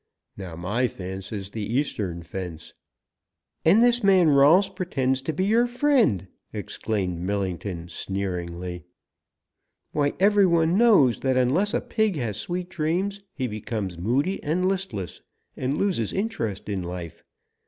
Now my fence is the eastern fence " "And this man Rolfs pretends to be your friend!" exclaimed Millington sneeringly. "Why every one knows that unless a pig has sweet dreams he becomes moody and listless, and loses interest in life.